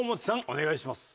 お願いします。